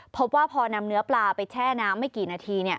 พบว่าพอนำเนื้อปลาไปแช่น้ำไม่กี่นาที